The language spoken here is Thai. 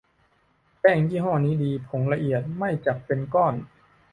แป้งยี่ห้อนี้ดี ผงละเอียด ไม่จับเป็นก้อน